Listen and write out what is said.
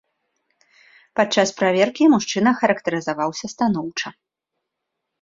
Падчас праверкі мужчына характарызаваўся станоўча.